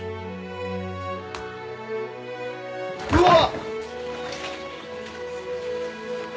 「うわっ！」